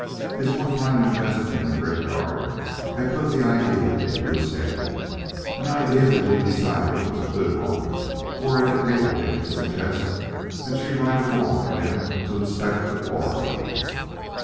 His one time investment in a brickyard had put the idea into his head an idea that he decided was a good one, for it enabled him to suggest that she ride along with him to inspect the quarry.